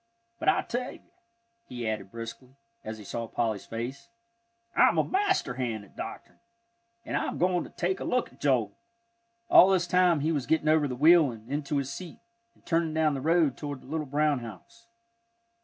But I tell you," he added briskly, as he saw Polly's face, "I'm a master hand at doctorin', an' I'm goin' to take a look at Joel." All this time he was getting over the wheel and into his seat, and turning down the road toward the little brown house.